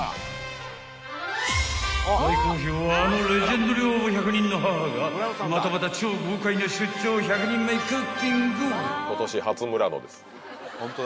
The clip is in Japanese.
［大好評あのレジェンド寮母１００人の母がまたまた超豪快な出張１００人前クッキング！］